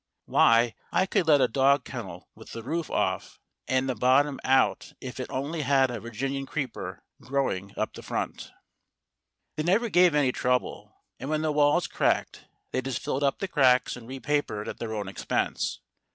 Why, I could let a dog kennel with the roof off and the bottom out if it only had a Virginian creeper growing up the front.) They never gave any trouble; and when the walls cracked they just filled up the cracks and re papered at their own expense.